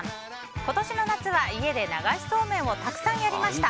今年の夏は家で流しそうめんをたくさんやりました。